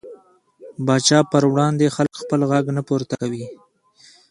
پاچا پر وړاندې خلک خپل غږ نه پورته کوي .